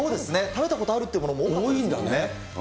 食べたことあるってものも多いんですよね。